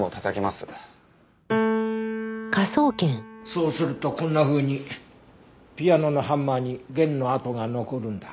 そうするとこんなふうにピアノのハンマーに弦の跡が残るんだ。